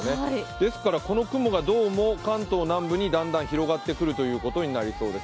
ですからこの雲がどうも関東南部にだんだん広がってくるということになりそうです。